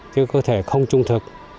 cái cơ thể không trung thực